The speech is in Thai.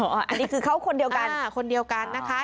อันนี้คือเขาคนเดียวกันคนเดียวกันนะคะ